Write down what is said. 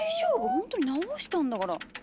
ほんとに直したんだから！